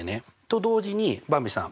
と同時にばんびさん